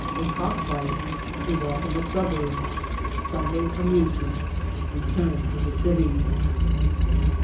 —▲ Cockfight— ▲ Walk in the Soboibe. Sun day Amasements.— Retnm to the City.